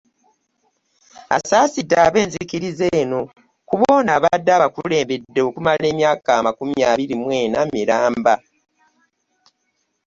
Asaasidde ab'enzikiriza eno kuba ono abadde abakulembedde okumala emyaka amakumi abiri mu ena miramba.